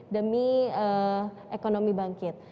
demi ekonomi bangkit